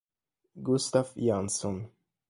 Gustaf Jansson